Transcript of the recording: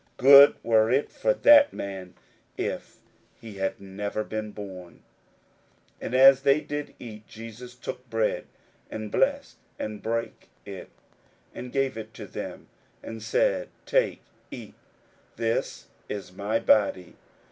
good were it for that man if he had never been born. 41:014:022 And as they did eat, Jesus took bread, and blessed, and brake it, and gave to them, and said, Take, eat: this is my body.